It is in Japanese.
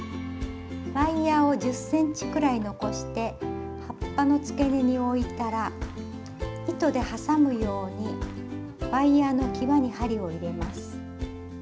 ワイヤーを１０ｃｍくらい残して葉っぱのつけ根に置いたら糸で挟むようにワイヤーのきわに針を入れます。